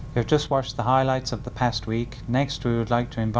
quý vị vừa theo dõi những thông tin đáng chú ý trong tuần qua